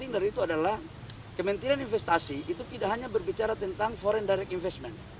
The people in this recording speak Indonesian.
dan yang saya sadar itu adalah kementerian investasi itu tidak hanya berbicara tentang foreign direct investment